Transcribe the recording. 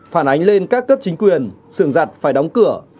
phản ánh lên các cấp chính quyền sườn giặt phải đóng cửa